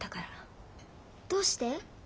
どうして？